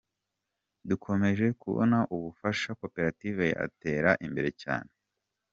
Dukomeje kubona ubufasha Koperative yatera imbere cyane”.